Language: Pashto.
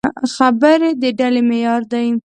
خبرې د عقل معیار دي.